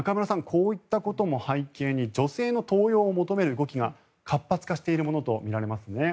こういったことも背景に女性の登用を求める動きが活発化しているものとみられますね。